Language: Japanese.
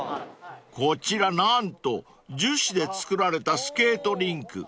［こちら何と樹脂で作られたスケートリンク］